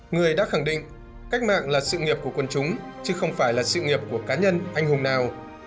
người đã khẳng định cách mạng là sự nghiệp của quân chúng chứ không phải là sự nghiệp của cá nhân anh hùng nào